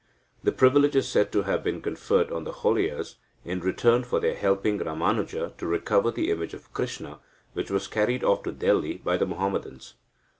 The privilege is said to have been conferred on the Holeyas, in return for their helping Ramanuja to recover the image of Krishna, which was carried off to Delhi by the Muhammadans.